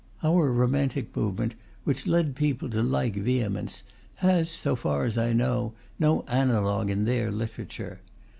Our romantic movement, which led people to like vehemence, has, so far as I know, no analogue in their literature.